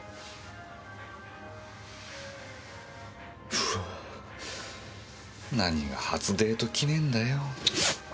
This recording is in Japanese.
うわぁ何が初デート記念だよ。